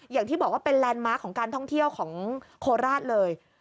อย่างที่บอกว่าเป็นแลนด์มาร์คของการท่องเที่ยวของโคราชเลย